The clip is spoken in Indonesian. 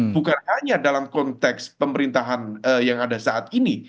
bukan hanya dalam konteks pemerintahan yang ada saat ini